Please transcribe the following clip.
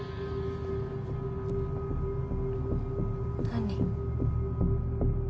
何？